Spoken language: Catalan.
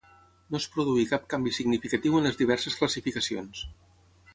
No es produí cap canvi significatiu en les diverses classificacions.